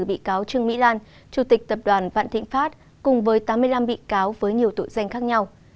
bị cáo trương mỹ lan chủ tịch tập đoàn vạn thịnh pháp cùng với tám mươi năm bị cáo với nhiều tội danh khác nhau